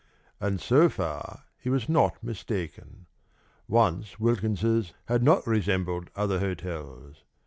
And so far he was not mistaken. Once Wilkins's had not resembled other hotels.